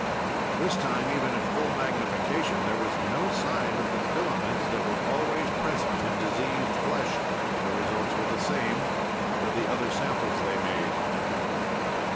This time, even at full magnification, there was no sign of the filaments that were always present in diseased flesh. The results were the same for the other samples they made.